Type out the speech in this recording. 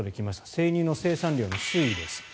生乳の生産量の推移です。